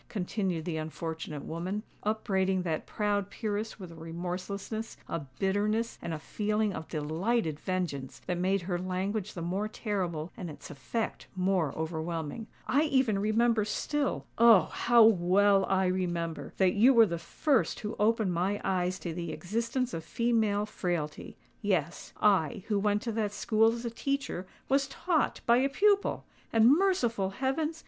continued the unfortunate woman, upbraiding that proud peeress with a remorselessness, a bitterness, and a feeling of delighted vengeance that made her language the more terrible and its effect more overwhelming. "I even remember still—oh! how well I remember—that you were the first who opened my eyes to the existence of female frailty. Yes—I, who went to that school as a teacher, was taught by a pupil! And merciful heavens!